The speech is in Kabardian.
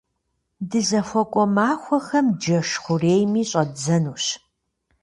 Дызыхуэкӏуэ махуэхэм джэш хъурейми щӏадзэнущ.